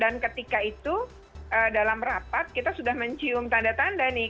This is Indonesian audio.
dan ketika itu dalam rapat kita sudah mencium tanda tanda nih